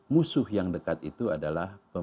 musuh yang dekat itu adalah